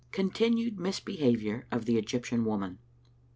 CONTINUED MISBEHAVIOUR OF THE EGYPTIAN WOMAN.